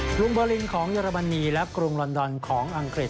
กรุงเบอร์ลินของเยอรมนีและกรุงลอนดอนของอังกฤษ